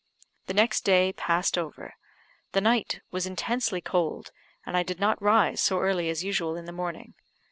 The next day passed over. The night was intensely cold, and I did not rise so early as usual in the morning.